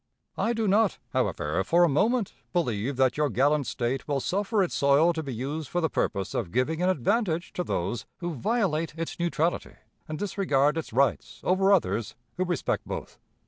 "I do not, however, for a moment believe that your gallant State will suffer its soil to be used for the purpose of giving an advantage to those who violate its neutrality and disregard its rights, over others who respect both.